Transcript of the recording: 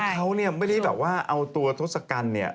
เขาเนี่ยไม่ได้แบบว่าเอาตัวทศกัณฐ์เนี่ย